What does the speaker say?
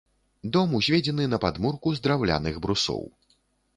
Дом узведзены на падмурку з драўляных брусоў.